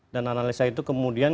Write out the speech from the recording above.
dan analisa itu kemudian